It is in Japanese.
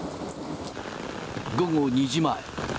午後２時前。